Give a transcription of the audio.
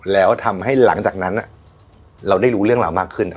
แล้วทำให้หลังจากนั้นเราได้รู้เรื่องราวมากขึ้น